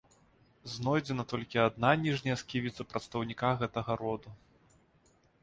Знойдзена толькі адна ніжняя сківіца прадстаўніка гэтага роду.